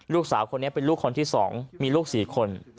ลูกสาวคนนี้เป็นลูกคนที่๒มีลูก๔คน